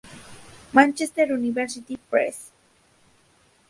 Manchester University Press.